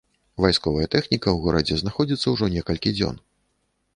Вайсковая тэхніка ў горадзе знаходзіцца ўжо некалькі дзён.